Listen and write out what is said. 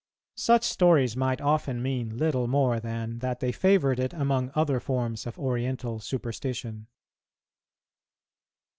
Such stories might often mean little more than that they favoured it among other forms of Oriental superstition.